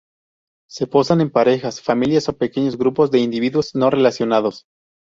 Se posan en parejas, familias o pequeños grupos de individuos no relacionados.